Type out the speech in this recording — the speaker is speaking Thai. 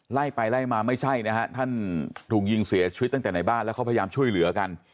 ไล่ไปไล่มาไม่ใช่นะฮะท่านถูกยิงเสียชีวิตตั้งแต่ในบ้านแล้วเขาพยายามช่วยเหลือกัน